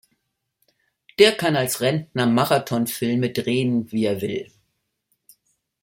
Der kann als Rentner Marathon-Filme drehen, wie er will.